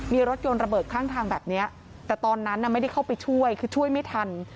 มีรถยนต์ระเบิดข้างทางแบบนี้แต่ตอนนั้นไม่ได้เข้าไปช่วยคือช่วยไม่ทัน